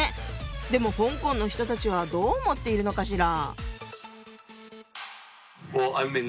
でも香港の人たちはどう思っているのかしら？